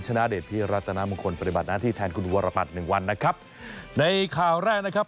ชนะเดชพี่รัตนามงคลปฏิบัติหน้าที่แทนคุณวรปัตย์หนึ่งวันนะครับในข่าวแรกนะครับ